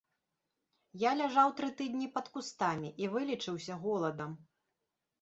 Я ляжаў тры тыдні пад кустамі і вылечыўся голадам.